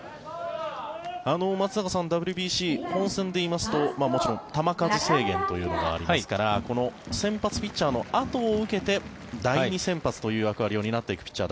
松坂さんＷＢＣ本戦でいいますともちろん球数制限というのがありますから先発ピッチャーのあとを受けて第２先発という役割を担っていくピッチャー